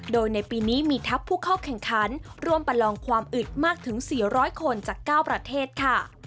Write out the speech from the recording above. โดยในปีนี้มีทัพผู้เข้าแข่งขันร่วมประลองความอึดมากถึง๔๐๐คนจาก๙ประเทศค่ะ